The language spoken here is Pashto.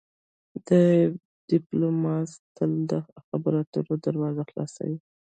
ډیپلوماسي تل د خبرو اترو دروازې خلاصوي.